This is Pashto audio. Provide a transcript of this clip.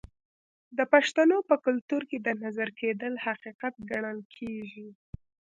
د پښتنو په کلتور کې د نظر کیدل حقیقت ګڼل کیږي.